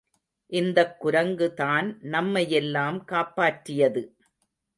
இந்தக் குரங்கு தான் நம்மையெல்லாம் காப்பாற்றியது.